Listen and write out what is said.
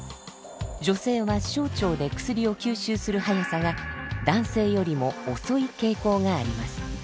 女性は小腸で薬を吸収する速さが男性よりも遅い傾向があります。